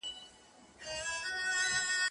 جهاني غزل دي نوی شرنګ اخیستی